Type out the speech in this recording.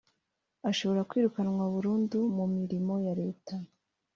ashobora kwirukanwa burundu mu mirimo ya Leta